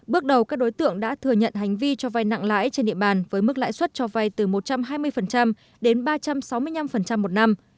bước đầu các đối tượng đã thừa nhận hành vi cho vai nặng lãi trên địa bàn với mức lãi suất cho vay từ một trăm hai mươi đến ba trăm sáu mươi năm một năm